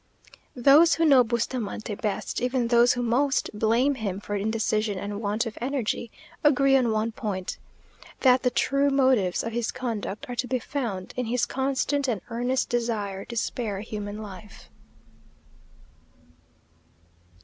Those who know Bustamante best, even those who most blame him for indecision and want of energy, agree on one point; that the true motives of his conduct are to be found in his constant and earnest desire to spare human life.